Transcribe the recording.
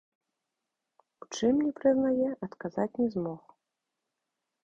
У чым не прызнае, адказаць не змог.